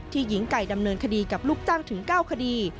หญิงไก่ดำเนินคดีกับลูกจ้างถึง๙คดี